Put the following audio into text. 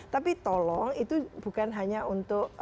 tapi tolong itu bukan hanya untuk